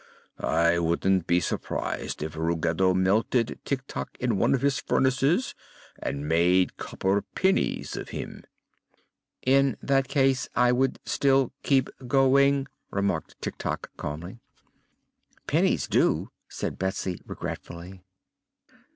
I wouldn't be surprised if Ruggedo melted Tik Tok in one of his furnaces and made copper pennies of him." "In that case, I would still keep going," remarked Tik Tok, calmly. "Pennies do," said Betsy regretfully.